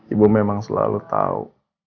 ibu memang selalu tahu